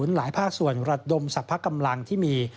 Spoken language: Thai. หลายภาคส่วนระดมสรรพกำลังที่มี